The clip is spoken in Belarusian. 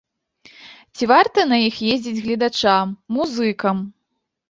Ці варта на іх ездзіць гледачам, музыкам?